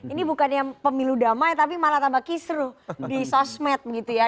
ini bukannya pemilu damai tapi malah tambah kisru di sosmed gitu ya